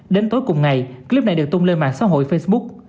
đến tối cùng ngày clip này được tung lên mạng xã hội facebook